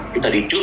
chúng ta đi trước